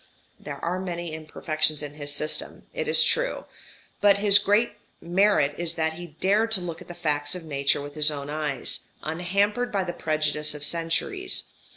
There are many imperfections in his system, it is true; but his great merit is that he dared to look at the facts of Nature with his own eyes, unhampered by the prejudice of centuries.